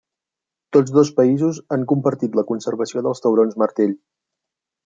Tots dos països han compartit la conservació dels taurons martell.